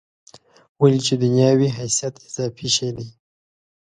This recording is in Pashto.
ولې چې دنیا وي حیثیت اضافي شی دی.